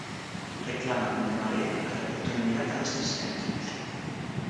Reclaman dende a Marea a reapertura inmediata destes centros.